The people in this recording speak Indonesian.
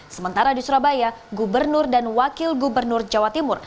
sementara di surabaya gubernur dan wakil gubernur jawa timur